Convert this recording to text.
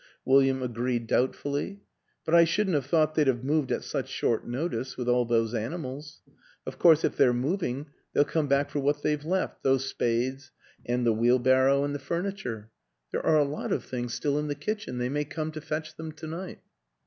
" William agreed doubtfully. " But I shouldn't have thought they'd have moved at such short notice with all those animals. Of course, if they're moving, they'll come back for what they've left those spades and the wheel 68 WILLIAM AN ENGLISHMAN barrow and the furniture. There are a lot of things still in the kitchen ... they may come to fetch them to night."